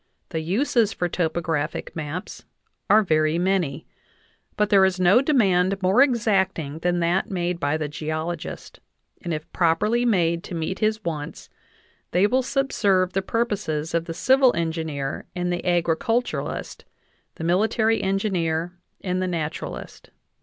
... The uses for topographic maps . are very many ; but there is no demand more exacting than that made by the geologist, and if properly made to meet his wants they will subserve the purposes of the civil engineer and the agriculturist, the military engineer and the naturalist."